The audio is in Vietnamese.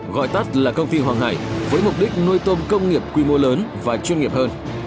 gọi tắt là công ty hoàng hải với mục đích nuôi tôm công nghiệp quy mô lớn và chuyên nghiệp hơn